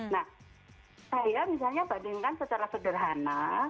nah saya misalnya bandingkan secara sederhana